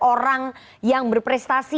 orang yang berprestasi